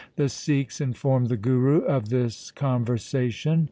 The Sikhs informed the Guru of this conversation.